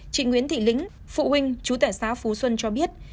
chị nguyễn thị lính phụ huynh chú tẻ xá phú xuân cho biết